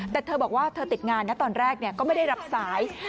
แต่เธอบอกว่าเธอติดงานนะตอนแรกก็ไม่ได้รับสาย